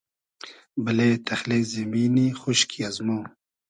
بئلې تئخلې زیمینی خوشکی ازمۉ